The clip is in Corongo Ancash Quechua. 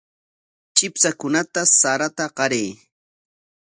Chipshakunata sarata qaray.